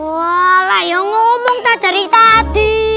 wah lah yang ngomong tak dari tadi